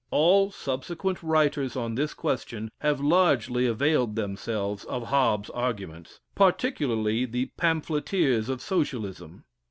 All subsequent writers on this question have largely availed themselves of Hobbes's arguments, particularly the pamphleteers of Socialism.